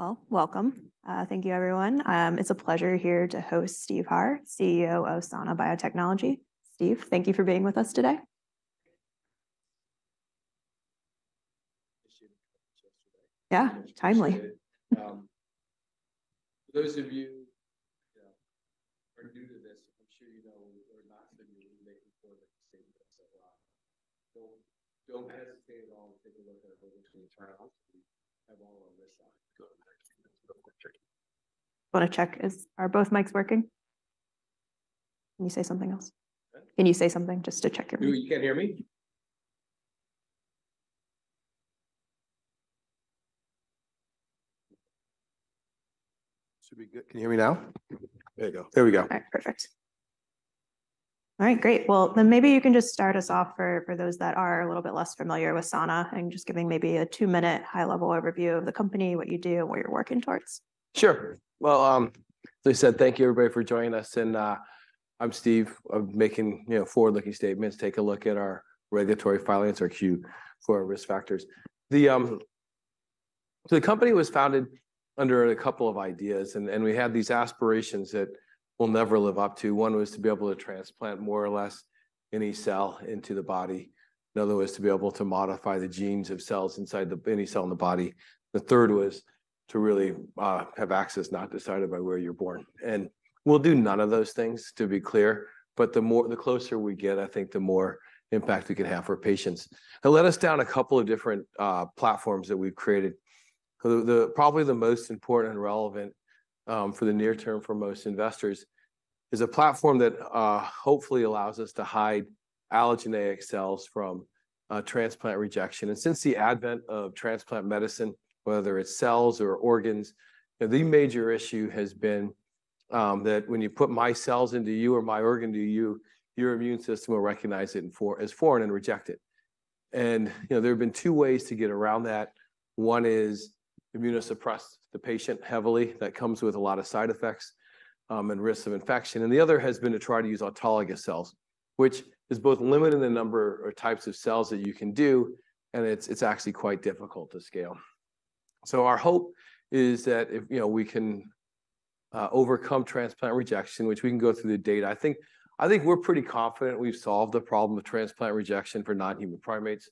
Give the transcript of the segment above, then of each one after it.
Well, welcome. Thank you, everyone. It's a pleasure here to host Steve Harr, CEO of Sana Biotechnology. Steve, thank you for being with us today. Yeah, timely. For those of you, yeah, are new to this, I'm sure you know we're not going to be making forward-looking statements a lot. So don't hesitate at all to take a look at our regulatory filings. We have all of this on- Got it. - Risk very tricky. Want to check, are both mics working? Can you say something else? Huh? Can you say something just to check your mics? You, you can't hear me? Should be good. Can you hear me now? There you go. There we go. Okay, perfect. All right, great! Well, then maybe you can just start us off for those that are a little bit less familiar with Sana, and just giving maybe a two-minute high-level overview of the company, what you do, and what you're working towards. Sure. Well, as I said, thank you, everybody, for joining us. I'm Steve. I'm making, you know, forward-looking statements. Take a look at our regulatory filings or Q for our risk factors. So the company was founded under a couple of ideas, and we had these aspirations that we'll never live up to. One was to be able to transplant more or less any cell into the body. Another was to be able to modify the genes of cells inside any cell in the body. The third was to really have access not decided by where you're born. We'll do none of those things, to be clear, but the more the closer we get, I think the more impact we can have for patients. It led us down a couple of different platforms that we've created. Probably the most important and relevant for the near term for most investors is a platform that hopefully allows us to hide allogeneic cells from transplant rejection. And since the advent of transplant medicine, whether it's cells or organs, the major issue has been that when you put my cells into you or my organ to you, your immune system will recognize it and as foreign and reject it. And, you know, there have been two ways to get around that. One is immunosuppress the patient heavily. That comes with a lot of side effects and risks of infection. And the other has been to try to use autologous cells, which is both limited in the number or types of cells that you can do, and it's actually quite difficult to scale. So our hope is that if, you know, we can overcome transplant rejection, which we can go through the data, I think, I think we're pretty confident we've solved the problem of transplant rejection for non-human primates.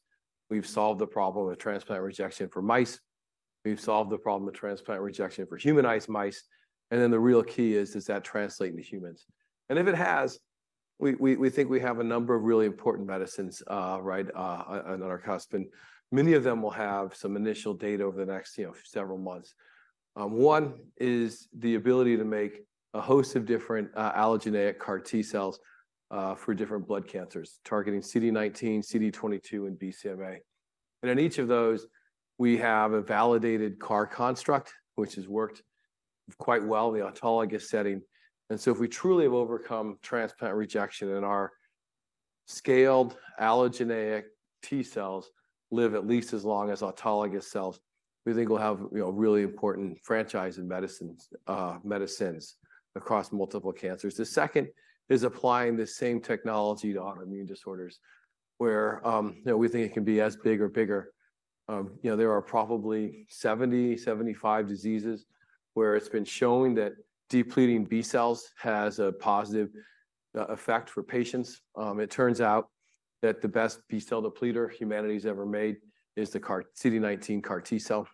We've solved the problem of transplant rejection for mice. We've solved the problem of transplant rejection for humanized mice. And then, the real key is, does that translate into humans? And if it has, we think we have a number of really important medicines, right, on our cusp, and many of them will have some initial data over the next, you know, several months. One is the ability to make a host of different, allogeneic CAR T cells, for different blood cancers, targeting CD19, CD22, and BCMA. In each of those, we have a validated CAR construct, which has worked quite well in the autologous setting. So, if we truly have overcome transplant rejection and our scaled allogeneic T cells live at least as long as autologous cells, we think we'll have, you know, a really important franchise in medicines across multiple cancers. The second is applying the same technology to autoimmune disorders, where, you know, we think it can be as big or bigger. You know, there are probably 70-75 diseases where it's been shown that depleting B cells has a positive effect for patients. It turns out that the best B-cell depleter humanity's ever made is the CAR T, CD19 CAR T cell.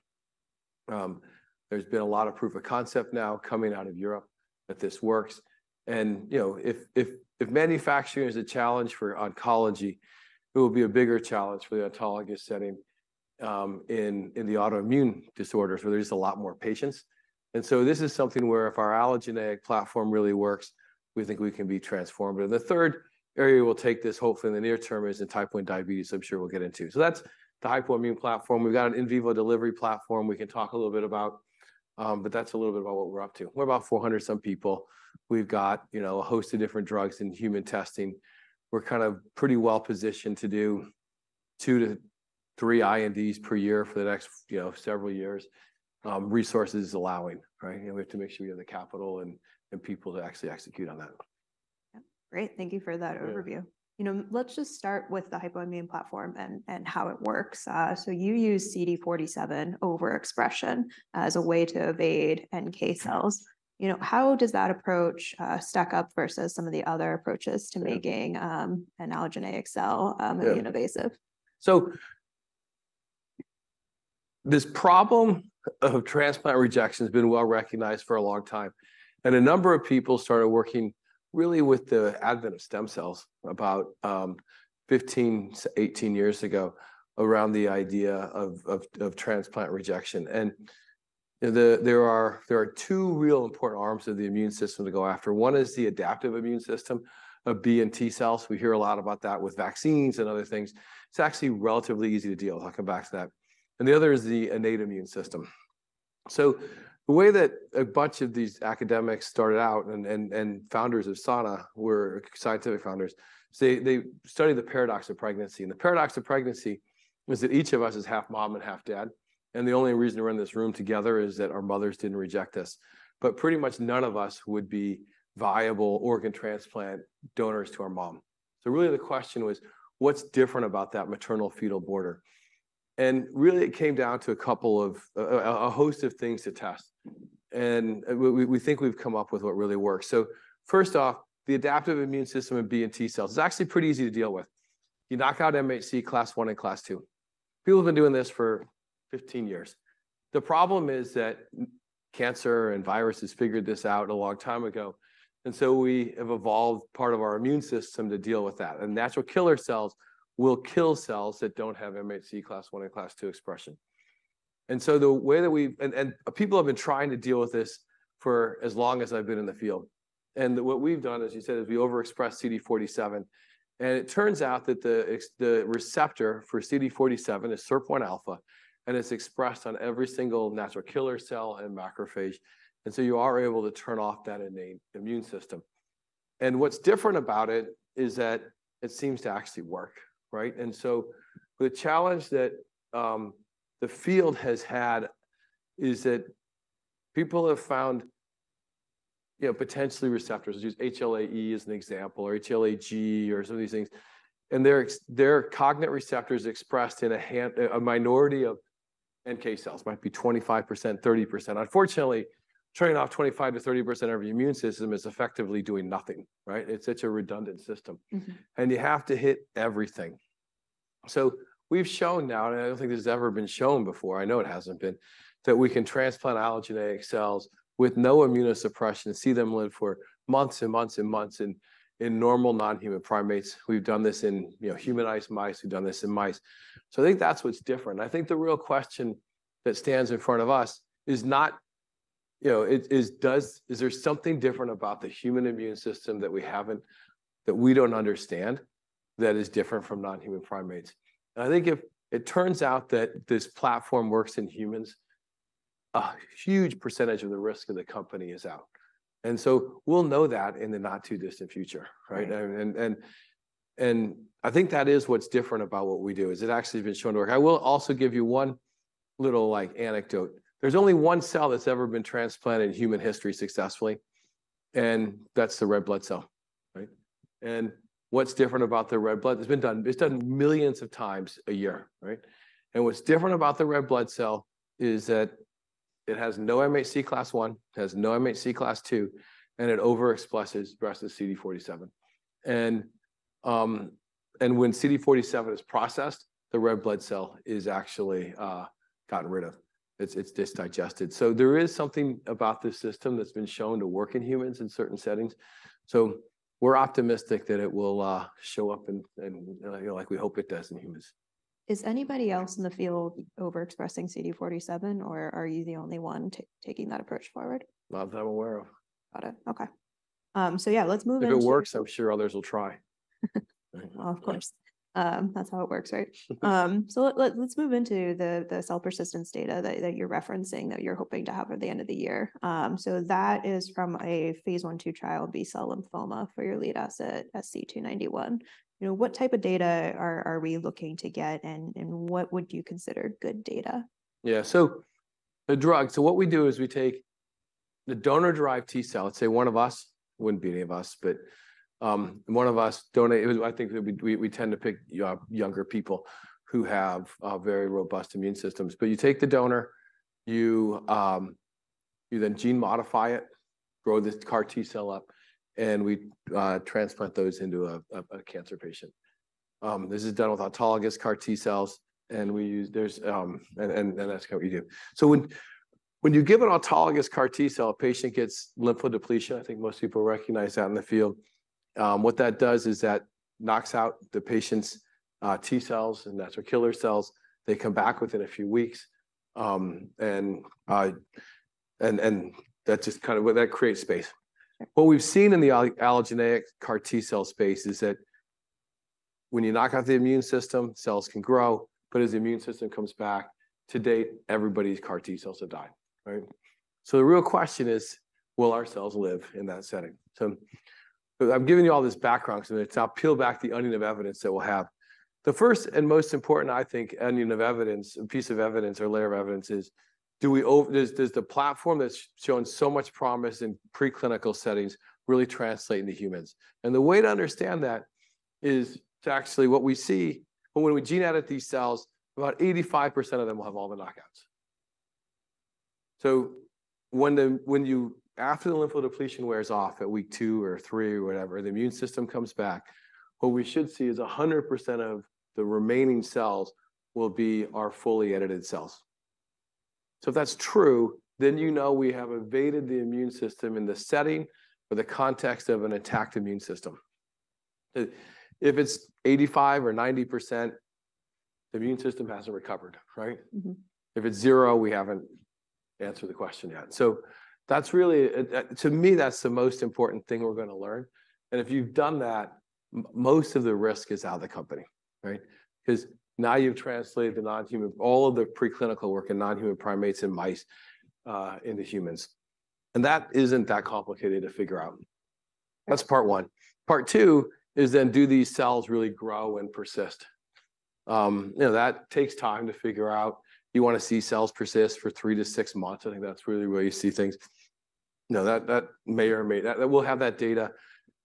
There's been a lot of proof of concept now coming out of Europe that this works, and, you know, if manufacturing is a challenge for oncology, it will be a bigger challenge for the autologous setting in the autoimmune disorders, where there's a lot more patients. And so, this is something where if our allogeneic platform really works, we think we can be transformative. The third area we'll take this, hopefully, in the near term is in Type 1 diabetes, I'm sure we'll get into. So that's the Hypoimmune platform. We've got an in vivo delivery platform we can talk a little bit about, but that's a little bit about what we're up to. We're about 400 some people. We've got, you know, a host of different drugs in human testing. We're kind of pretty well positioned to do 2-3 INDs per year for the next, you know, several years, resources allowing, right? You know, we have to make sure we have the capital and people to actually execute on that. Yeah, great. Thank you for that overview. Yeah. You know, let's just start with the Hypoimmune platform and how it works. So you use CD47 overexpression as a way to evade NK cells. You know, how does that approach stack up versus some of the other approaches to making- an allogeneic cell... immune invasive? So this problem of transplant rejection has been well-recognized for a long time, and a number of people started working, really with the advent of stem cells, about 15-18 years ago, around the idea of transplant rejection. There are two real important arms of the immune system to go after. One is the adaptive immune system of B and T cells. We hear a lot about that with vaccines and other things. It's actually relatively easy to deal with. I'll come back to that. And the other is the innate immune system. So the way that a bunch of these academics started out, and founders of Sana were scientific founders, so they studied the paradox of pregnancy. And the paradox of pregnancy is that each of us is half mom and half dad, and the only reason we're in this room together is that our mothers didn't reject us. But pretty much none of us would be viable organ transplant donors to our mom. So really, the question was, what's different about that maternal fetal border? ... and really it came down to a couple of, a host of things to test. And we think we've come up with what really works. So first off, the adaptive immune system of B and T cells is actually pretty easy to deal with. You knock out MHC class I class II. people have been doing this for 15 years. The problem is that cancer and viruses figured this out a long time ago, and so we have evolved part of our immune system to deal with that. Natural killer cells will kill cells that don't have MHC class I and class II expression. So the way that we and people have been trying to deal with this for as long as I've been in the field. What we've done, as you said, is we overexpress CD47, and it turns out that the receptor for CD47 is SIRP alpha, and it's expressed on every single natural killer cell and macrophage, and so you are able to turn off that innate immune system. What's different about it is that it seems to actually work, right? The challenge that the field has had is that people have found, you know, potentially receptors, use HLA-E as an example, or HLA-G or some of these things, and there are cognate receptors expressed in a minority of NK cells, might be 25%, 30%. Unfortunately, turning off 25%-30% of your immune system is effectively doing nothing, right? It's such a redundant system. And you have to hit everything. So we've shown now, and I don't think this has ever been shown before, I know it hasn't been, that we can transplant allogeneic cells with no immunosuppression and see them live for months and months and months in normal non-human primates. We've done this in, you know, humanized mice. We've done this in mice. So I think that's what's different. I think the real question that stands in front of us is not, you know, is there something different about the human immune system that we haven't, that we don't understand, that is different from non-human primates? And I think if it turns out that this platform works in humans, a huge percentage of the risk of the company is out. And so we'll know that in the not-too-distant future, right? I think that is what's different about what we do, is it actually has been shown to work. I will also give you one little, like, anecdote. There's only one cell that's ever been transplanted in human history successfully, and that's the red blood cell, right? And what's different about the red blood cell is that it's been done millions of times a year, right? And what's different about the red blood cell is that it has no MHC class I, it has no class II, and it overexpresses the CD47. And when CD47 is processed, the red blood cell is actually gotten rid of. It's just digested. So there is something about this system that's been shown to work in humans in certain settings. So we're optimistic that it will show up and like we hope it does in humans. Is anybody else in the field overexpressing CD47, or are you the only one taking that approach forward? Not that I'm aware of. Got it. Okay. So yeah, let's move into- If it works, I'm sure others will try. Of course. That's how it works, right? So let's move into the cell persistence data that you're referencing, that you're hoping to have by the end of the year. So that is from a phase I/II trial B-cell lymphoma for your lead asset, SC291. You know, what type of data are we looking to get, and what would you consider good data? Yeah. So the drug. So what we do is we take the donor-derived T cell, let's say one of us, wouldn't be any of us, but, one of us donate. It would. I think we tend to pick younger people who have very robust immune systems. But you take the donor, you then gene modify it, grow this CAR T cell up, and we transplant those into a cancer patient. This is done with autologous CAR T cells, and we use. There's, and that's how we do. So when you give an autologous CAR T cell, a patient gets lymphodepletion. I think most people recognize that in the field. What that does is that knocks out the patient's T cells, and that's our killer cells. They come back within a few weeks, and, and that's just kind of. That creates space. What we've seen in the allogeneic CAR T cell space is that when you knock out the immune system, cells can grow, but as the immune system comes back, to date, everybody's CAR T cells have died, right? So the real question is: Will our cells live in that setting? So I've given you all this background, so let's now peel back the onion of evidence that we'll have. The first and most important, I think, onion of evidence, piece of evidence or layer of evidence, is: Does the platform that's shown so much promise in preclinical settings really translate into humans? The way to understand that is to actually, what we see, when we gene edit these cells, about 85% of them will have all the knockouts. So after the lymphodepletion wears off, at week 2 or 3, whatever, the immune system comes back. What we should see is 100% of the remaining cells will be our fully edited cells. So if that's true, then you know we have evaded the immune system in the setting or the context of an attacked immune system. If it's 85% or 90%, the immune system hasn't recovered, right? Mm-hmm. If it's zero, we haven't answered the question yet. So that's really, to me, that's the most important thing we're gonna learn. And if you've done that, most of the risk is out of the company, right? 'Cause now you've translated the non-human all of the preclinical work in non-human primates and mice into humans. And that isn't that complicated to figure out. That's part one. Part two is then, do these cells really grow and persist? You know, that takes time to figure out. You wanna see cells persist for 3-6 months. I think that's really where you see things. No, that may or may not, we'll have that data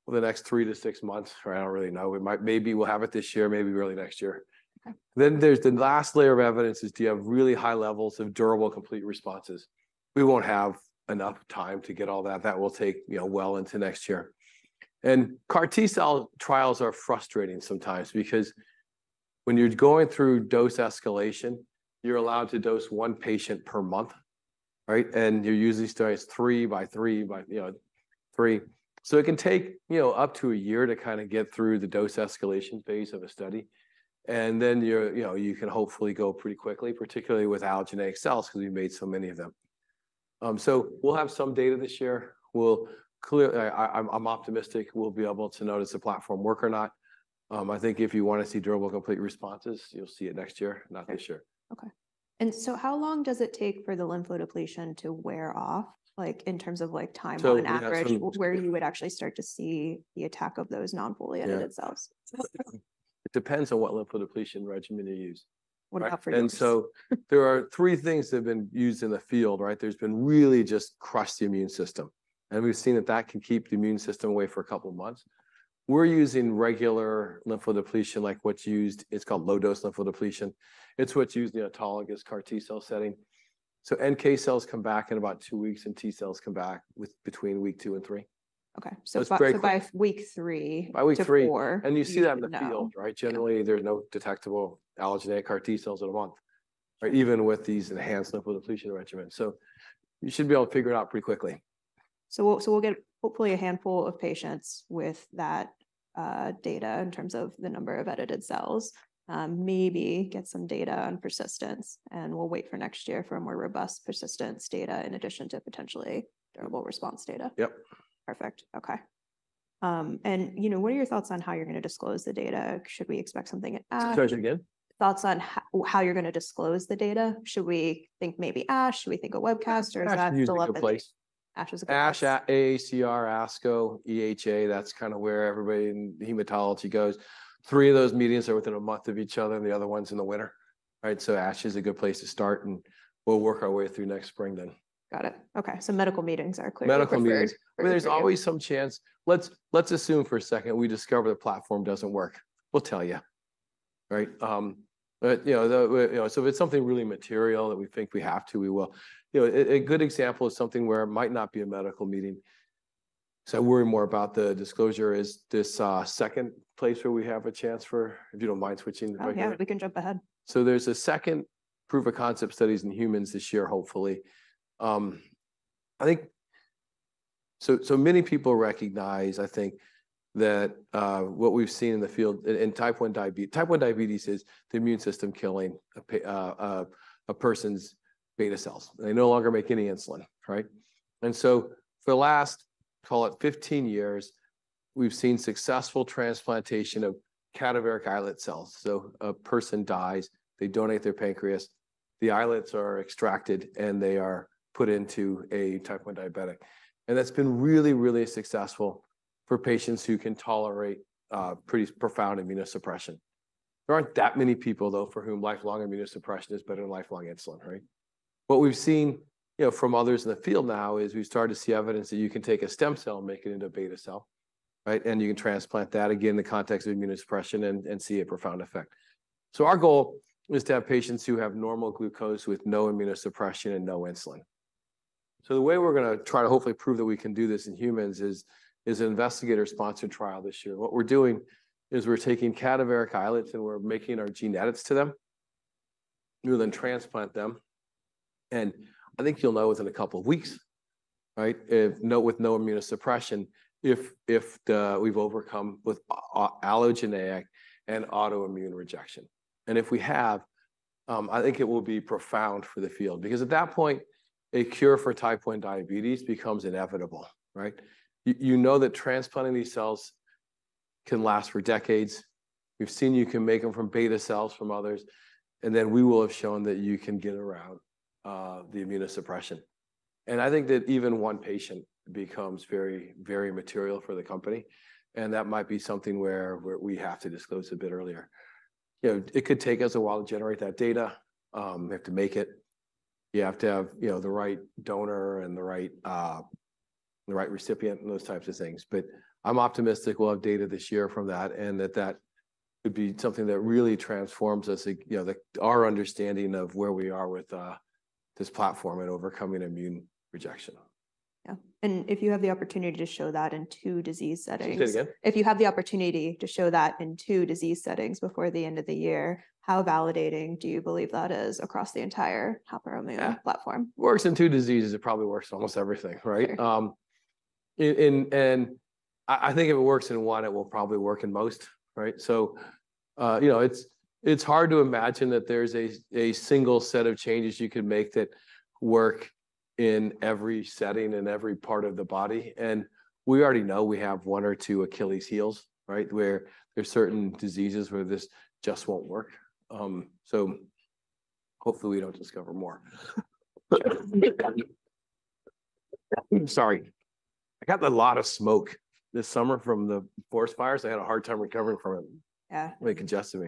over the next 3-6 months. I don't really know. We might, maybe we'll have it this year, maybe early next year. Okay. Then there's the last layer of evidence: Do you have really high levels of durable, complete responses? We won't have enough time to get all that. That will take, you know, well into next year. CAR T cell trials are frustrating sometimes because when you're going through dose escalation, you're allowed to dose one patient per month, right? You use these studies three by three by, you know, three. So it can take, you know, up to a year to kinda get through the dose escalation phase of a study. Then you can hopefully go pretty quickly, particularly with allogeneic cells, 'cause we've made so many of them. So we'll have some data this year. I'm optimistic we'll be able to know does the platform work or not. I think if you want to see durable, complete responses, you'll see it next year, not this year. Okay. Okay. And so how long does it take for the lymphodepletion to wear off, like, in terms of, like, time on average? So we have some- Where you would actually start to see the attack of those non-fully edited cells? It depends on what lymphodepletion regimen you use. What do you prefer to use? There are three things that have been used in the field, right? There's been really just crush the immune system, and we've seen that that can keep the immune system away for a couple of months. We're using regular lymphodepletion, like what's used. It's called low-dose lymphodepletion. It's what's used in the autologous CAR T cell setting. NK cells come back in about two weeks, and T cells come back with between week two and three. Okay. So it's very- So by week three- By week three- -to four. You see that in the field, right? Yeah. Generally, there's no detectable allogeneic CAR T cells in a month, or even with these enhanced lymphodepletion regimens. So you should be able to figure it out pretty quickly. So, so we'll get hopefully a handful of patients with that data in terms of the number of edited cells, maybe get some data on persistence, and we'll wait for next year for a more robust persistence data in addition to potentially durable response data? Yep. Perfect. Okay. You know, what are your thoughts on how you're going to disclose the data? Should we expect something at ASH? Sorry, say that again. Thoughts on how you're going to disclose the data? Should we think maybe ASH? Should we think a webcast, or is that- ASH is a good place. ASH is a good place. ASH at AACR, ASCO, EHA, that's kind of where everybody in hematology goes. Three of those meetings are within a month of each other, and the other one's in the winter, right? So ASH is a good place to start, and we'll work our way through next spring then. Got it. Okay, so medical meetings are clearly- Medical meetings. Preferred for you. I mean, there's always some chance... Let's, let's assume for a second we discover the platform doesn't work. We'll tell you, right? But, you know, the you know, so if it's something really material that we think we have to, we will. You know, a good example is something where it might not be a medical meeting, so I worry more about the disclosure, is this second place where we have a chance for... If you don't mind switching the deck? Oh, yeah, we can jump ahead. So there's a second proof-of-concept studies in humans this year, hopefully. So, so many people recognize, I think, that what we've seen in the field in Type 1 diabetes is the immune system killing a person's beta cells. They no longer make any insulin, right? And so for the last, call it 15 years, we've seen successful transplantation of cadaveric islet cells. So a person dies, they donate their pancreas, the islets are extracted, and they are put into a Type 1 diabetic. And that's been really, really successful for patients who can tolerate pretty profound immunosuppression. There aren't that many people, though, for whom lifelong immunosuppression is better than lifelong insulin, right? What we've seen, you know, from others in the field now is we've started to see evidence that you can take a stem cell and make it into a beta cell, right? And you can transplant that, again, in the context of immunosuppression, and see a profound effect. So our goal is to have patients who have normal glucose with no immunosuppression and no insulin. So the way we're going to try to hopefully prove that we can do this in humans is an investigator-sponsored trial this year. What we're doing is we're taking cadaveric islets, and we're making our gene edits to them. We'll then transplant them, and I think you'll know within a couple of weeks, right? No, with no immunosuppression, if we've overcome allogeneic and autoimmune rejection. And if we have, I think it will be profound for the field. Because at that point, a cure for Type 1 diabetes becomes inevitable, right? You know that transplanting these cells can last for decades. We've seen you can make them from beta cells from others, and then we will have shown that you can get around the immunosuppression. And I think that even one patient becomes very, very material for the company, and that might be something where we have to disclose a bit earlier. You know, it could take us a while to generate that data. We have to make it. You have to have, you know, the right donor and the right recipient and those types of things. But I'm optimistic we'll have data this year from that, and that that could be something that really transforms us, you know, our understanding of where we are with this platform at overcoming immune rejection. Yeah. If you have the opportunity to show that in two disease settings- Say that again. If you have the opportunity to show that in two disease settings before the end of the year, how validating do you believe that is across the entire hypoimmune platform? Works in two diseases, it probably works almost everything, right? Okay. I think if it works in one, it will probably work in most, right? So, you know, it's hard to imagine that there's a single set of changes you could make that work in every setting and every part of the body, and we already know we have one or two Achilles heels, right? Where there's certain diseases where this just won't work. So hopefully, we don't discover more. Sorry.... I got a lot of smoke this summer from the forest fires. I had a hard time recovering from it. Yeah. Really congested me.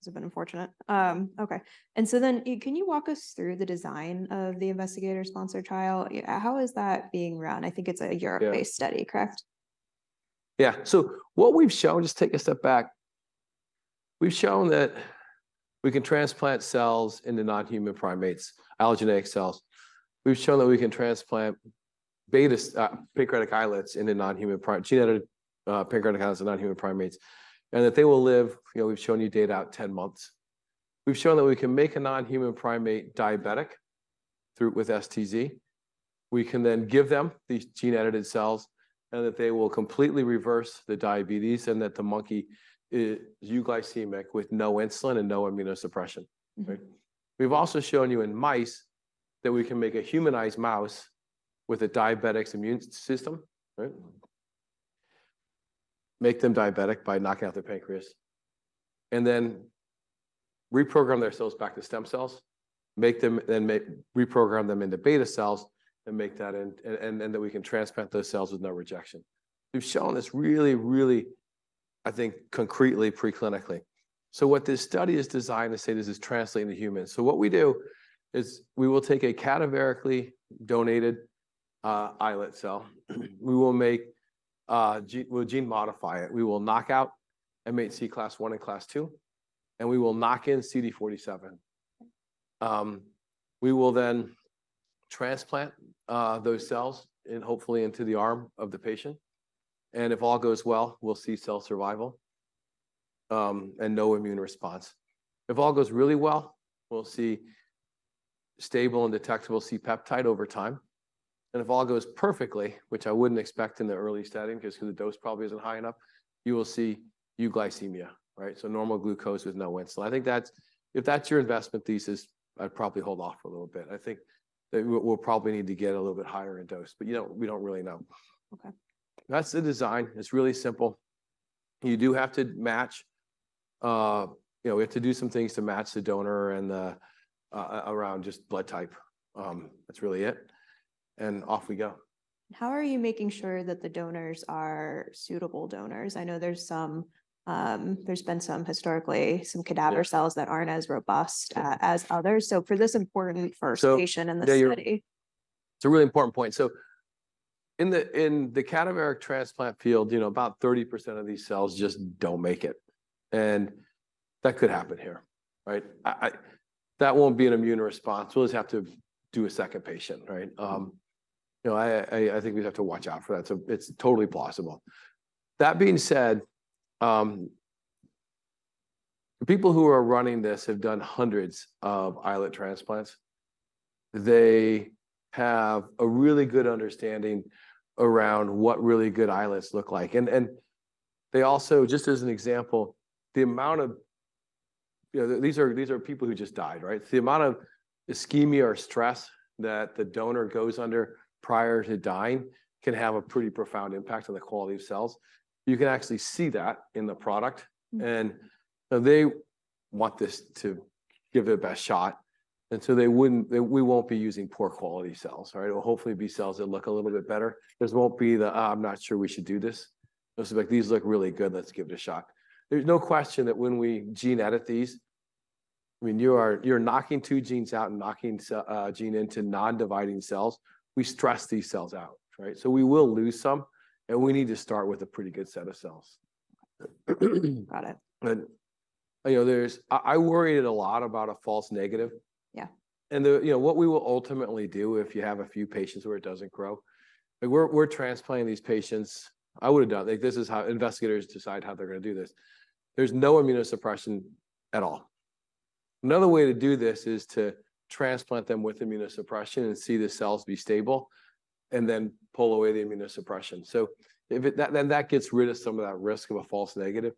It's been unfortunate. Okay. And so then, can you walk us through the design of the investigator-sponsored trial? How is that being run? I think it's a Europe- Yeah -based study, correct? Yeah. So what we've shown. Just take a step back. We've shown that we can transplant cells into non-human primates, allogeneic cells. We've shown that we can transplant beta cells, pancreatic islets in a non-human primate, gene-edited pancreatic islets in non-human primates, and that they will live, you know, we've shown you data out 10 months. We've shown that we can make a non-human primate diabetic with STZ. We can then give them these gene-edited cells, and that they will completely reverse the diabetes, and that the monkey is euglycemic with no insulin and no immunosuppression. Mm-hmm. Right? We've also shown you in mice that we can make a humanized mouse with a diabetic's immune system, right? Make them diabetic by knocking out their pancreas, and then reprogram their cells back to stem cells, make them. Then reprogram them into beta cells, and make that and that we can transplant those cells with no rejection. We've shown this really, really, I think, concretely preclinically. So what this study is designed to say, this is translating to humans. So what we do is, we will take a cadaverically donated islet cell. We will make, we'll gene modify it. We will knock out MHC class I class II, and we will knock in CD47. We will then transplant those cells in, hopefully into the arm of the patient, and if all goes well, we'll see cell survival and no immune response. If all goes really well, we'll see stable and detectable C-peptide over time, and if all goes perfectly, which I wouldn't expect in the early setting 'cause the dose probably isn't high enough, you will see euglycemia, right? So normal glucose with no insulin. I think that's. If that's your investment thesis, I'd probably hold off for a little bit. I think that we, we'll probably need to get a little bit higher in dose, but you know, we don't really know. Okay. That's the design. It's really simple. You do have to match. You know, we have to do some things to match the donor and the around just blood type. That's really it, and off we go. How are you making sure that the donors are suitable donors? I know there's some, there's been some, historically, some cadaver- Yeah... cells that aren't as robust as others. So for this important first patient- So- in the study. It's a really important point. So in the cadaveric transplant field, you know, about 30% of these cells just don't make it, and that could happen here, right? That won't be an immune response. We'll just have to do a second patient, right? You know, I think we'd have to watch out for that, so it's totally possible. That being said, the people who are running this have done hundreds of islet transplants. They have a really good understanding around what really good islets look like. And they also, just as an example, the amount of... You know, these are people who just died, right? The amount of ischemia or stress that the donor goes under prior to dying can have a pretty profound impact on the quality of cells. You can actually see that in the product, and they want this to give it their best shot, and so they wouldn't, we won't be using poor quality cells. All right? It'll hopefully be cells that look a little bit better. This won't be the, "Ah, I'm not sure we should do this." This will be like, "These look really good, let's give it a shot." There's no question that when we gene edit these, I mean, you're knocking two genes out and knocking gene into non-dividing cells. We stress these cells out, right? So we will lose some, and we need to start with a pretty good set of cells. Got it. You know, there's... I, I worried a lot about a false negative. Yeah. You know, what we will ultimately do, if you have a few patients where it doesn't grow, we're transplanting these patients. I would have done—like, this is how investigators decide how they're gonna do this. There's no immunosuppression at all. Another way to do this is to transplant them with immunosuppression and see the cells be stable, and then pull away the immunosuppression. So if it... that, then that gets rid of some of that risk of a false negative.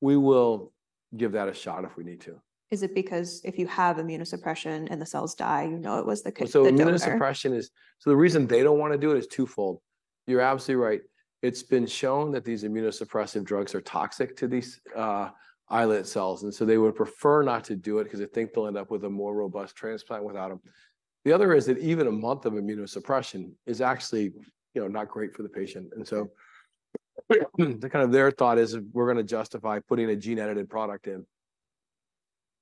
We will give that a shot if we need to. Is it because if you have immunosuppression and the cells die, you know it was the donor? So the reason they don't wanna do it is twofold. You're absolutely right. It's been shown that these immunosuppressive drugs are toxic to these, islet cells, and so they would prefer not to do it 'cause they think they'll end up with a more robust transplant without them. The other is that even a month of immunosuppression is actually, you know, not great for the patient. And so, kind of their thought is, if we're gonna justify putting a gene-edited product in,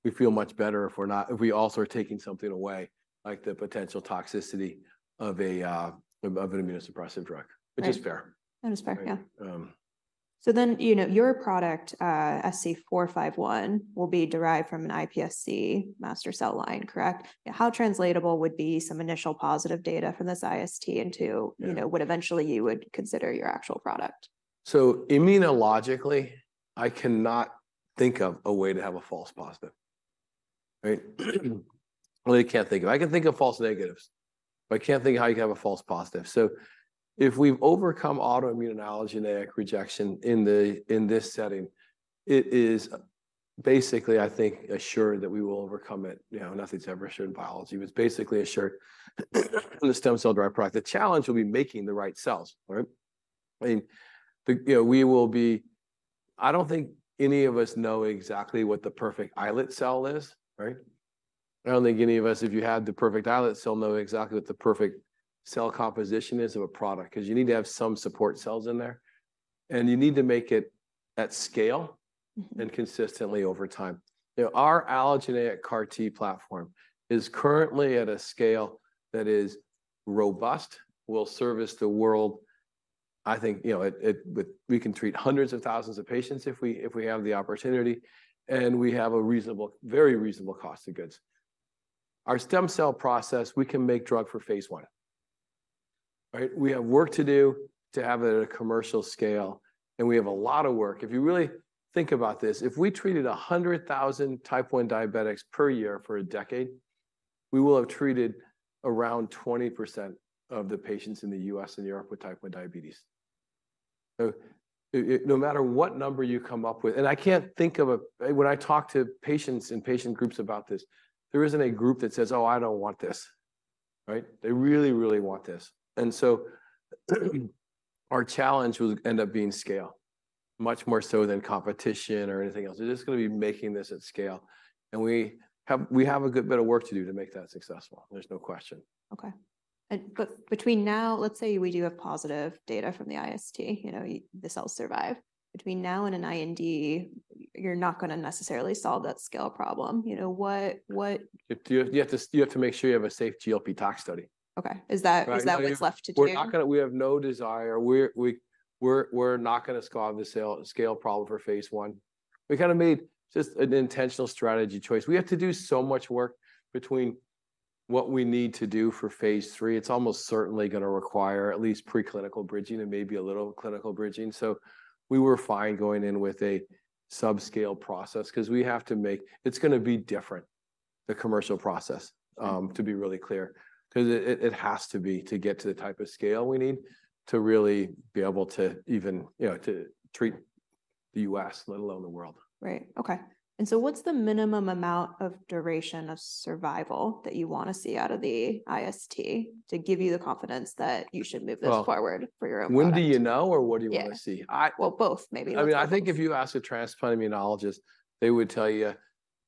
we feel much better if we also are taking something away, like the potential toxicity of an immunosuppressive drug. Right. Which is fair. That is fair, yeah. Um- So then, you know, your product, SC451, will be derived from an iPSC master cell line, correct? How translatable would be some initial positive data from this IST into- Yeah you know, what eventually you would consider your actual product? So immunologically, I cannot think of a way to have a false positive. Right? I really can't think of, I can think of false negatives, but I can't think of how you can have a false positive. So if we've overcome autoimmune allogeneic rejection in this setting, it is basically, I think, assured that we will overcome it. You know, nothing's ever assured in biology, but it's basically assured in the stem cell-derived product. The challenge will be making the right cells, right? I mean, the, you know, we will be, I don't think any of us know exactly what the perfect islet cell is, right?... I don't think any of us, if you had the perfect islet cell, know exactly what the perfect cell composition is of a product, 'cause you need to have some support cells in there, and you need to make it at scale- Mm-hmm. and consistently over time. You know, our allogeneic CAR T platform is currently at a scale that is robust, will service the world. I think, you know, it with we can treat hundreds of thousands of patients if we have the opportunity, and we have a reasonable very reasonable cost of goods. Our stem cell process, we can make drug for phase I, right? We have work to do to have it at a commercial scale, and we have a lot of work. If you really think about this, if we treated 100,000 Type 1 diabetics per year for a decade, we will have treated around 20% of the patients in the US and Europe with Type 1 diabetes. So no matter what number you come up with... I can't think of when I talk to patients in patient groups about this, there isn't a group that says, "Oh, I don't want this," right? They really, really want this. So, our challenge will end up being scale, much more so than competition or anything else. It is gonna be making this at scale, and we have a good bit of work to do to make that successful. There's no question. Okay. But between now, let's say we do have positive data from the IST, you know, the cells survive. Between now and an IND, you're not gonna necessarily solve that scale problem. You know what, what- You have to make sure you have a safe GLP Tox study. Okay. Is that- Right?... is that what's left to do? We have no desire. We're not gonna solve the scale problem for phase I. We kind of made just an intentional strategy choice. We have to do so much work between what we need to do for phase III. It's almost certainly gonna require at least preclinical bridging and maybe a little clinical bridging. So we were fine going in with a subscale process 'cause we have to make. It's gonna be different, the commercial process, to be really clear. 'Cause it has to be to get to the type of scale we need to really be able to even, you know, to treat the U.S., let alone the world. Right. Okay. And so what's the minimum amount of duration of survival that you wanna see out of the IST to give you the confidence that you should move this- Well- forward for your own product? When do you know or what do you want to see? Yeah. I- Well, both maybe. I mean, I think if you ask a transplant immunologist, they would tell you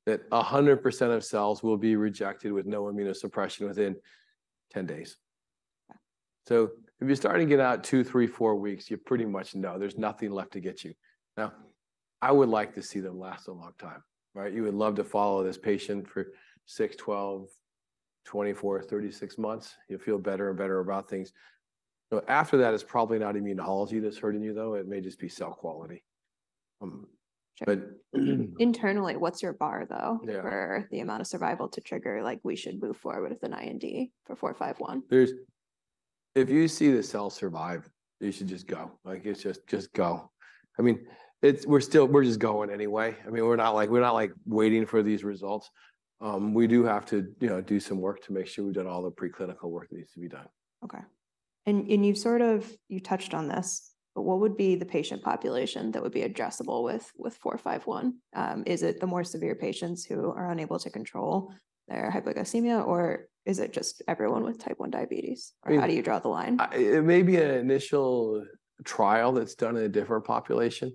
that 100% of cells will be rejected with no immunosuppression within 10 days. Yeah. So if you're starting to get out 2, 3, 4 weeks, you pretty much know there's nothing left to get you. Now, I would like to see them last a long time, right? You would love to follow this patient for 6, 12, 24, 36 months. You'll feel better and better about things. So after that, it's probably not immunology that's hurting you, though. It may just be cell quality. Sure. But- Internally, what's your bar, though- Yeah -for the amount of survival to trigger, like, we should move forward with an IND for 451? If you see the cell survive, you should just go. Like, it's just, just go. I mean, we're still just going anyway. I mean, we're not like, we're not, like, waiting for these results. We do have to, you know, do some work to make sure we've done all the preclinical work that needs to be done. Okay. And you've sort of... You touched on this, but what would be the patient population that would be addressable with 451? Is it the more severe patients who are unable to control their hypoglycemia, or is it just everyone with Type 1 diabetes? I mean- Or how do you draw the line? It may be an initial trial that's done in a different population,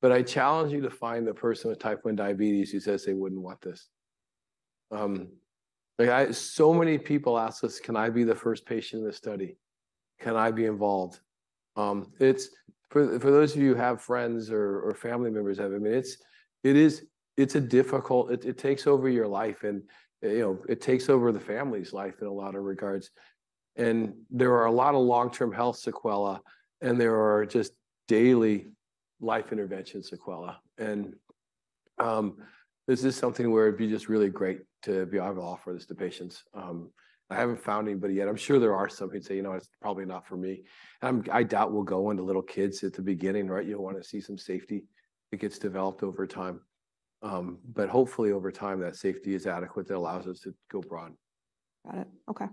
but I challenge you to find the person with Type 1 diabetes who says they wouldn't want this. So many people ask us, "Can I be the first patient in this study? Can I be involved?" For those of you who have friends or family members who have, I mean, it is difficult. It takes over your life, and you know, it takes over the family's life in a lot of regards. And there are a lot of long-term health sequelae, and there are just daily life intervention sequelae. And this is something where it'd be just really great to be able to offer this to patients. I haven't found anybody yet. I'm sure there are some who'd say: "You know what? It's probably not for me." And I'm, I doubt we'll go into little kids at the beginning, right? You'll wanna see some safety. It gets developed over time. But hopefully, over time, that safety is adequate, that allows us to go broad. Got it. Okay.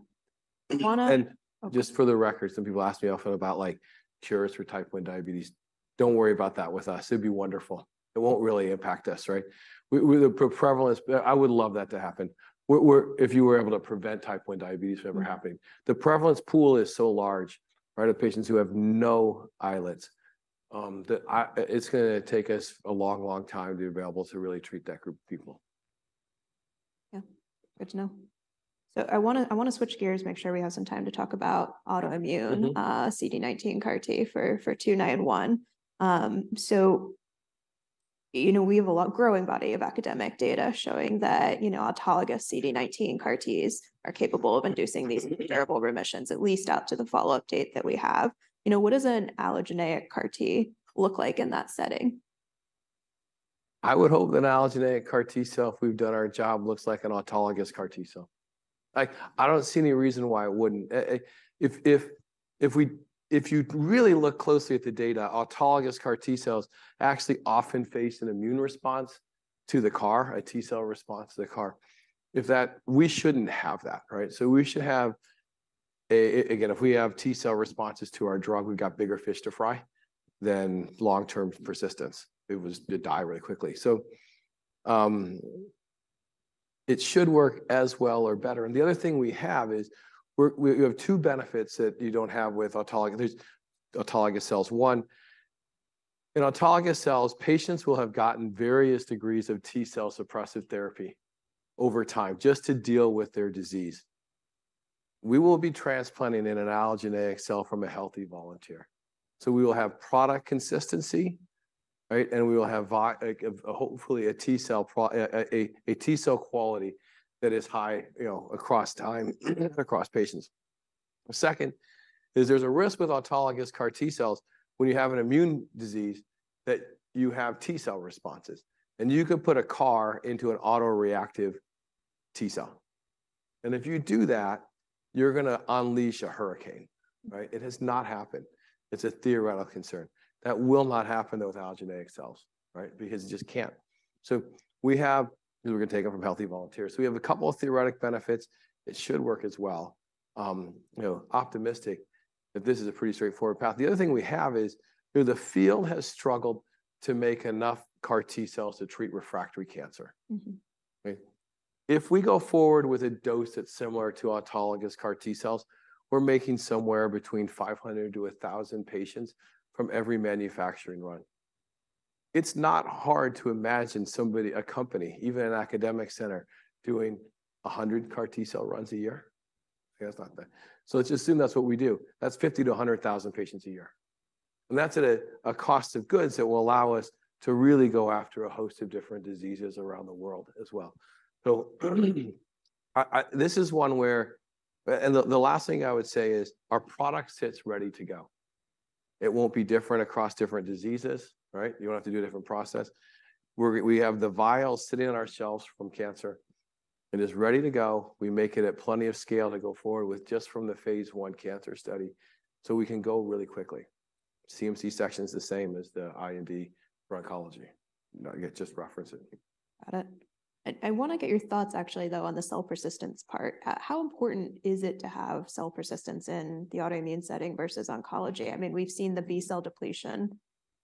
Wanna- And- Okay.... just for the record, some people ask me often about, like, cures for Type 1 diabetes. Don't worry about that with us. It'd be wonderful. It won't really impact us, right? We the prevalence... But I would love that to happen. We're if you were able to prevent Type 1 diabetes from ever happening. Mm-hmm. The prevalence pool is so large, right, of patients who have no islets, that it's gonna take us a long, long time to be available to really treat that group of people. Yeah. Good to know. So I wanna, I wanna switch gears, make sure we have some time to talk about autoimmune- Mm-hmm CD19 CAR T for 291. So, you know, we have a growing body of academic data showing that, you know, autologous CD19 CAR Ts are capable of inducing these durable remissions, at least out to the follow-up date that we have. You know, what does an allogeneic CAR T look like in that setting? I would hope an allogeneic CAR T cell, if we've done our job, looks like an autologous CAR T cell. Like, I don't see any reason why it wouldn't. If you really look closely at the data, autologous CAR T cells actually often face an immune response to the CAR, a T cell response to the CAR. We shouldn't have that, right? So we should have again, if we have T cell responses to our drug, we've got bigger fish to fry than long-term persistence. It was to die really quickly. So, it should work as well or better. And the other thing we have is, we have two benefits that you don't have with autologous. There's autologous cells: one... In autologous cells, patients will have gotten various degrees of T-cell suppressive therapy over time just to deal with their disease. We will be transplanting an allogeneic cell from a healthy volunteer. So we will have product consistency, right? And we will have vigor, like, hopefully a T-cell product quality that is high, you know, across time, across patients. The second is there's a risk with autologous CAR T-cells when you have an immune disease, that you have T-cell responses. And you can put a CAR into an autoreactive T-cell. And if you do that, you're gonna unleash a hurricane, right? It has not happened. It's a theoretical concern. That will not happen, though, with allogeneic cells, right? Because it just can't. So we have, 'cause we're gonna take it from healthy volunteers. We have a couple of theoretical benefits. It should work as well. You know, optimistic that this is a pretty straightforward path. The other thing we have is, you know, the field has struggled to make enough CAR T cells to treat refractory cancer. Mm-hmm. Right? If we go forward with a dose that's similar to autologous CAR T cells, we're making somewhere between 500-1,000 patients from every manufacturing run. It's not hard to imagine somebody, a company, even an academic center, doing 100 CAR T cell runs a year. Yeah, that's not bad. So let's assume that's what we do. That's 50,000-100,000 patients a year, and that's at a cost of goods that will allow us to really go after a host of different diseases around the world as well. So, this is one where, and the last thing I would say is, our product sits ready to go. It won't be different across different diseases, right? You don't have to do a different process. We're, we have the vials sitting on our shelves from cancer, and it's ready to go. We make it at plenty of scale to go forward with, just from the phase I cancer study, so we can go really quickly. CMC section's the same as the IND for oncology. Yeah, just reference it. Got it. I wanna get your thoughts, actually, though, on the cell persistence part. How important is it to have cell persistence in the autoimmune setting versus oncology? I mean, we've seen the B-cell depletion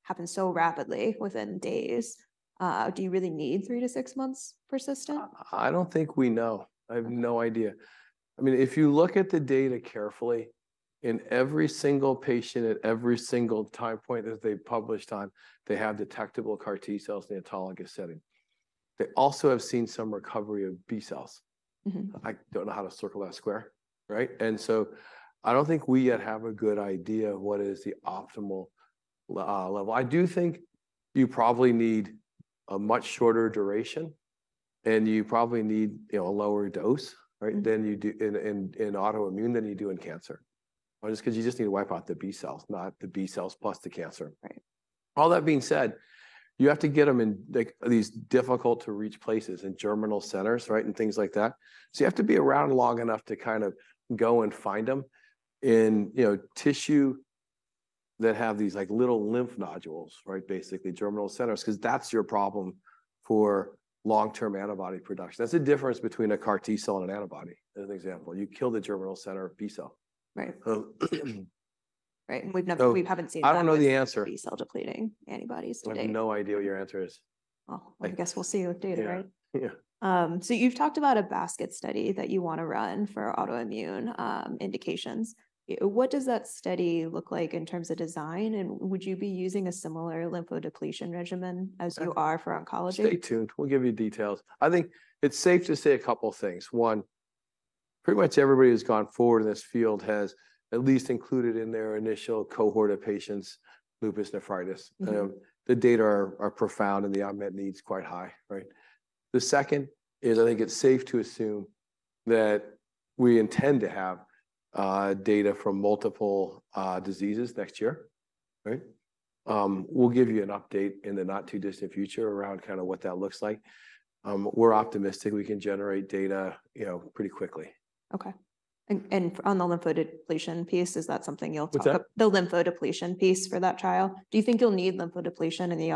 happen so rapidly, within days. Do you really need 3-6 months persistent? I don't think we know. I have no idea. I mean, if you look at the data carefully, in every single patient at every single time point that they've published on, they have detectable CAR T cells in the autologous setting. They also have seen some recovery of B cells. Mm-hmm. I don't know how to circle that square, right? And so I don't think we yet have a good idea of what is the optimal level. I do think you probably need a much shorter duration, and you probably need, you know, a lower dose, right- Mm-hmm... than you do in autoimmune than you do in cancer. Just 'cause you just need to wipe out the B-cells, not the B-cells plus the cancer. Right. All that being said, you have to get them in, like, these difficult-to-reach places, in germinal centers, right, and things like that. So you have to be around long enough to kind of go and find them in, you know, tissue that have these, like, little lymph nodules, right, basically germinal centers, 'cause that's your problem for long-term antibody production. That's the difference between a CAR T-cell and an antibody, as an example. You kill the germinal center B-cell. Right. So, Right, and we've never-- we haven't seen that- I don't know the answer.... B-cell depleting antibodies to date. I have no idea what your answer is. Well, I guess we'll see with data, right? Yeah, yeah. So, you've talked about a basket study that you wanna run for autoimmune indications. What does that study look like in terms of design, and would you be using a similar lymphodepletion regimen as you are for oncology? Stay tuned. We'll give you details. I think it's safe to say a couple things: one, pretty much everybody who's gone forward in this field has at least included in their initial cohort of patients lupus nephritis. Mm-hmm. The data are profound, and the unmet need's quite high, right? The second is, I think it's safe to assume that we intend to have data from multiple diseases next year, right? We'll give you an update in the not-too-distant future around kinda what that looks like. We're optimistic we can generate data, you know, pretty quickly. Okay. On the lymphodepletion piece, is that something you'll talk- What's that? The lymphodepletion piece for that trial. Do you think you'll need lymphodepletion in the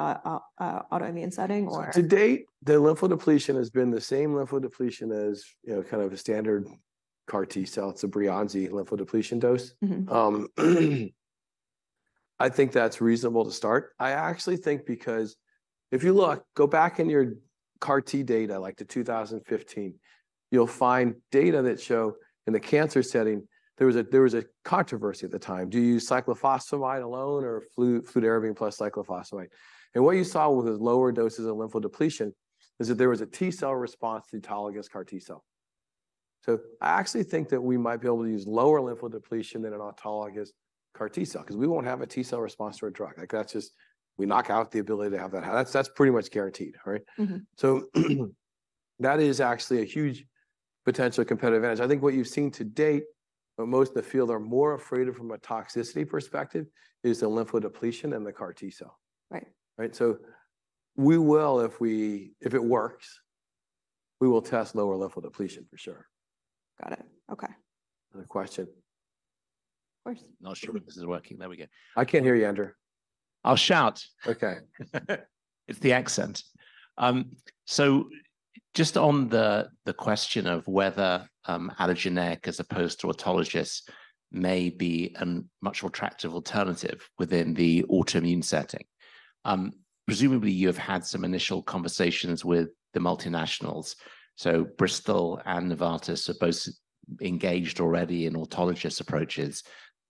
autoimmune setting, or? To date, the lymphodepletion has been the same lymphodepletion as, you know, kind of a standard CAR T-cell. It's a Breyanzi lymphodepletion dose. Mm-hmm. I think that's reasonable to start. I actually think because if you look, go back in your CAR T data, like to 2015. You'll find data that show in the cancer setting there was a controversy at the time. Do you use cyclophosphamide alone or fludarabine plus cyclophosphamide? And what you saw with the lower doses of lymphodepletion is that there was a T-cell response to autologous CAR T cell. So I actually think that we might be able to use lower lymphodepletion in an autologous CAR T cell, 'cause we won't have a T-cell response to our drug. Like, that's just we knock out the ability to have that. That's pretty much guaranteed, right? Mm-hmm. So, that is actually a huge potential competitive advantage. I think what you've seen to date, what most of the field are more afraid of from a toxicity perspective, is the lymphodepletion than the CAR T-cell. Right. Right? So we will if it works, we will test lower lymphodepletion for sure. Got it. Okay. Another question? Of course. Not sure if this is working. There we go. I can't hear you, Andrew. I'll shout. Okay. It's the accent. So just on the question of whether allogeneic, as opposed to autologous, may be a much more attractive alternative within the autoimmune setting. Presumably, you have had some initial conversations with the multinationals. So Bristol and Novartis are both engaged already in autologous approaches,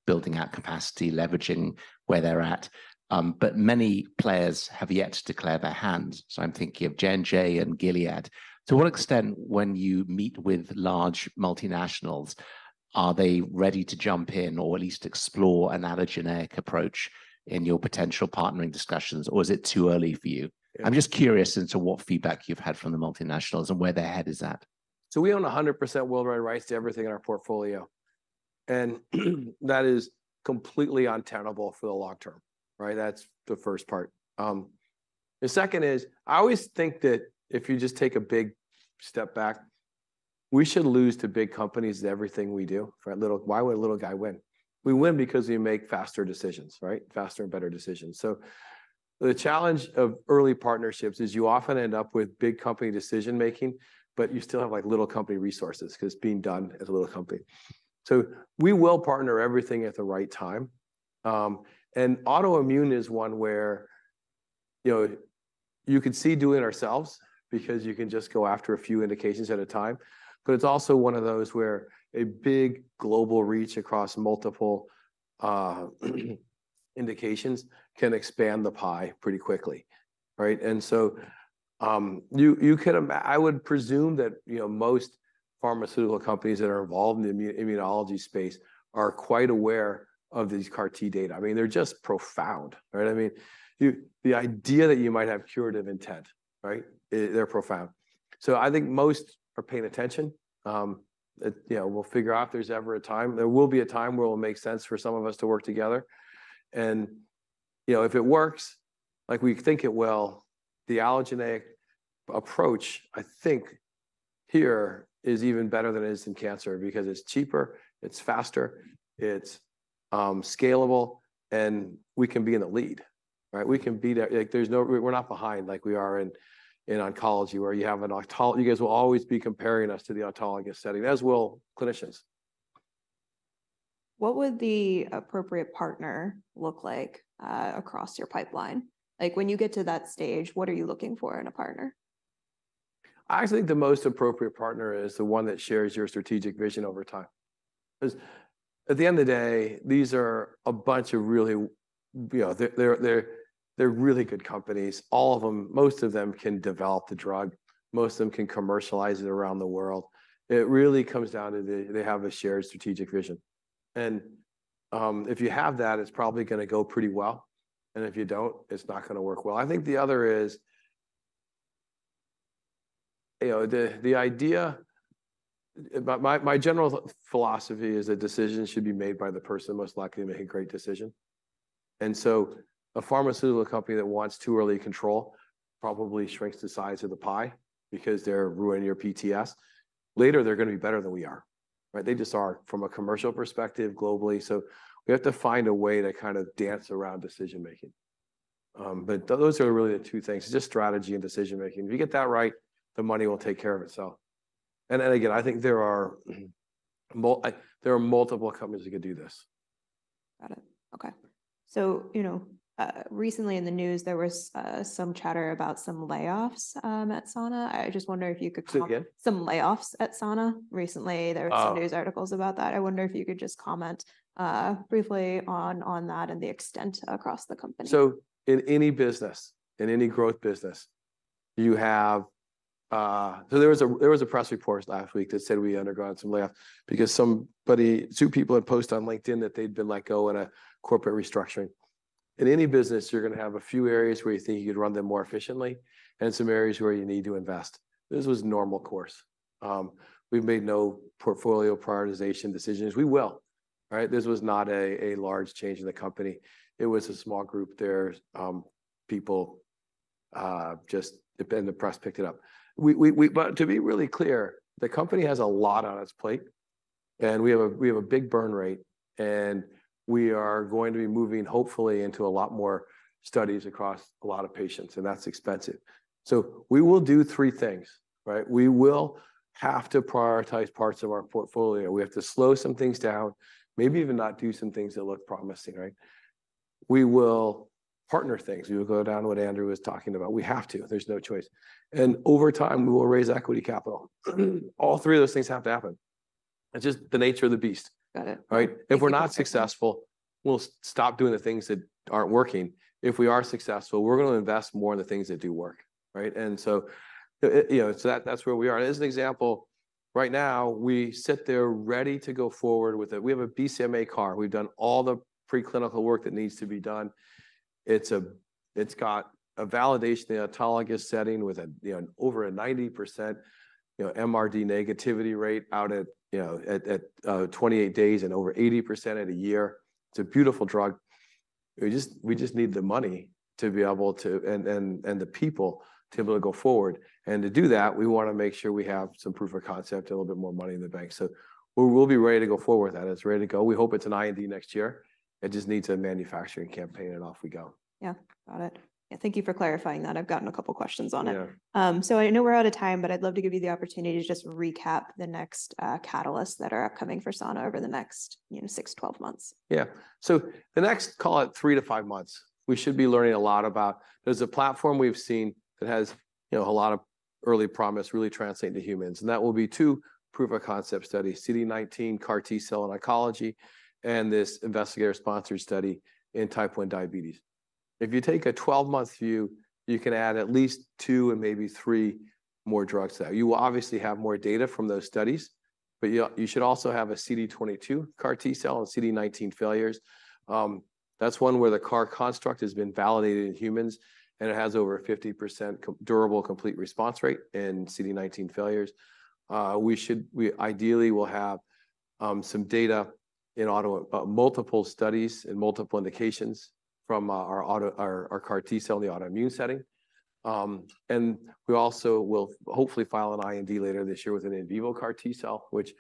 building out capacity, leveraging where they're at. But many players have yet to declare their hand, so I'm thinking of J&J and Gilead. To what extent, when you meet with large multinationals, are they ready to jump in or at least explore an allogeneic approach in your potential partnering discussions, or is it too early for you? I'm just curious as to what feedback you've had from the multinationals and where their head is at. So we own 100% worldwide rights to everything in our portfolio, and that is completely untenable for the long term, right? That's the first part. The second is, I always think that if you just take a big step back, we should lose to big companies in everything we do. Why would a little guy win? We win because we make faster decisions, right? Faster and better decisions. So the challenge of early partnerships is you often end up with big company decision-making, but you still have, like, little company resources, 'cause it's being done as a little company. So we will partner everything at the right time. And autoimmune is one where, you know, you could see doing it ourselves because you can just go after a few indications at a time, but it's also one of those where a big global reach across multiple, indications can expand the pie pretty quickly, right? And so, I would presume that, you know, most pharmaceutical companies that are involved in the immunology space are quite aware of these CAR-T data. I mean, they're just profound, right? I mean, the idea that you might have curative intent, right? They're profound. So I think most are paying attention. You know, we'll figure out if there's ever a time-- There will be a time where it will make sense for some of us to work together. You know, if it works, like we think it will, the allogeneic approach, I think, here is even better than it is in cancer because it's cheaper, it's faster, it's scalable, and we can be in the lead, right? We can be there... Like, there's no-- We're not behind like we are in oncology, where you have an autolog-- You guys will always be comparing us to the autologous setting, as will clinicians. What would the appropriate partner look like, across your pipeline? Like, when you get to that stage, what are you looking for in a partner? I think the most appropriate partner is the one that shares your strategic vision over time. 'Cause at the end of the day, these are a bunch of really, you know... They're really good companies. All of them, most of them can develop the drug. Most of them can commercialize it around the world. It really comes down to do they have a shared strategic vision? And if you have that, it's probably gonna go pretty well, and if you don't, it's not gonna work well. I think the other is, you know, the idea. My general philosophy is that decisions should be made by the person most likely to make a great decision. And so a pharmaceutical company that wants too early control probably shrinks the size of the pie because they're ruining your PTS. Later, they're gonna be better than we are, right? They just are from a commercial perspective globally, so we have to find a way to kind of dance around decision-making. But those are really the two things, just strategy and decision-making. If you get that right, the money will take care of itself. And again, I think there are multiple companies that could do this. Got it. Okay. So, you know, recently in the news, there was some chatter about some layoffs at Sana. I just wonder if you could- Say it again. Some layoffs at Sana. Recently, there were- Oh! -some news articles about that. I wonder if you could just comment briefly on that and the extent across the company? So in any business, in any growth business, you have... So there was a press report last week that said we undergone some layoffs because somebody—two people had posted on LinkedIn that they'd been let go in a corporate restructuring. In any business, you're gonna have a few areas where you think you'd run them more efficiently and some areas where you need to invest. This was normal course. We've made no portfolio prioritization decisions. We will. Right? This was not a large change in the company. It was a small group there, people, and then the press picked it up. But to be really clear, the company has a lot on its plate, and we have a big burn rate, and we are going to be moving hopefully into a lot more studies across a lot of patients, and that's expensive. So we will do three things, right? We will have to prioritize parts of our portfolio. We have to slow some things down, maybe even not do some things that look promising, right? We will partner things. We will go down what Andrew was talking about. We have to. There's no choice. And over time, we will raise equity capital. All three of those things have to happen. It's just the nature of the beast. Got it. Right? If we're not successful, we'll stop doing the things that aren't working. If we are successful, we're gonna invest more in the things that do work, right? And so, you know, so that, that's where we are. As an example, right now, we sit there ready to go forward with— We have a BCMA CAR. We've done all the preclinical work that needs to be done. It's got a validation in autologous setting with a, you know, over a 90%, you know, MRD negativity rate out at, you know, at, at, 28 days and over 80% at a year. It's a beautiful drug. We just, we just need the money to be able to... and, and, and the people, to be able to go forward. And to do that, we wanna make sure we have some proof of concept, a little bit more money in the bank. So we, we'll be ready to go forward with that. It's ready to go. We hope it's an IND next year. It just needs a manufacturing campaign, and off we go. Yeah. Got it. Thank you for clarifying that. I've gotten a couple questions on it. Yeah. I know we're out of time, but I'd love to give you the opportunity to just recap the next catalysts that are upcoming for Sana over the next, you know, 6-12 months. Yeah. So the next, call it 3-5 months, we should be learning a lot about. There's a platform we've seen that has, you know, a lot of early promise, really translate into humans, and that will be two proof-of-concept studies: CD19 CAR T cell in oncology and this investigator-sponsored study in Type 1 diabetes. If you take a 12-month view, you can add at least 2 and maybe 3 more drugs to that. You will obviously have more data from those studies, but you should also have a CD22 CAR T cell and CD19 failures. That's one where the CAR construct has been validated in humans, and it has over a 50% durable complete response rate in CD19 failures. We ideally will have some data in multiple studies and multiple indications from our CAR T cell in the autoimmune setting. And we also will hopefully file an IND later this year with an in vivo CAR T cell, which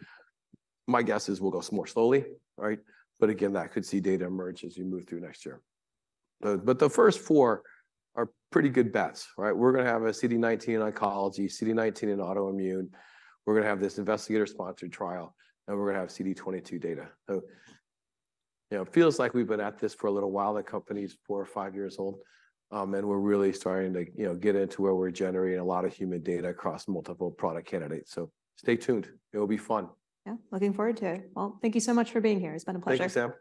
my guess is will go more slowly, right? But again, that could see data emerge as we move through next year. But the first four are pretty good bets, right? We're gonna have a CD19 in oncology, CD19 in autoimmune. We're gonna have this investigator-sponsored trial, and we're gonna have CD22 data. So, you know, it feels like we've been at this for a little while. The company's four or five years old, and we're really starting to, you know, get into where we're generating a lot of human data across multiple product candidates. Stay tuned. It'll be fun. Yeah, looking forward to it. Well, thank you so much for being here. It's been a pleasure. Thank you, Sam.